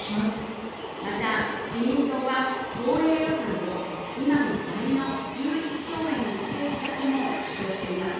また自民党は、防衛予算を今の倍の１１兆円にすべきだとも主張しています。